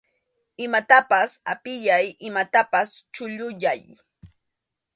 Imatapas apiyay, imatapas chulluyay.